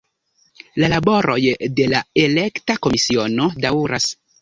La laboroj de la Elekta Komisiono daŭras.